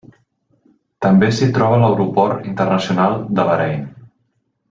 També s'hi troba l'Aeroport Internacional de Bahrain.